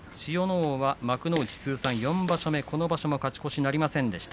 皇は幕内通算４場所目この場所も勝ち越しはなりませんでした。